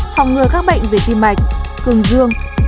phòng ngừa các bệnh về tim mạch cường dương